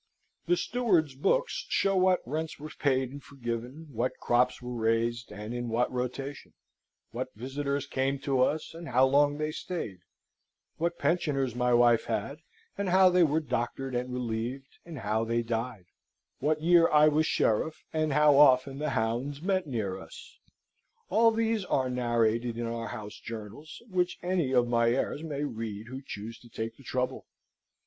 The steward's books show what rents were paid and forgiven, what crops were raised, and in what rotation. What visitors came to us, and how long they stayed: what pensioners my wife had, and how they were doctored and relieved, and how they died: what year I was sheriff, and how often the hounds met near us; all these are narrated in our house journals, which any of my heirs may read who choose to take the trouble.